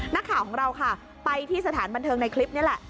นักข่าวของเราค่ะไปที่สถานบันเทิงในคลิปนี้แหละ